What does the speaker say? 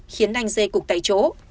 khiến anh t cục tại chỗ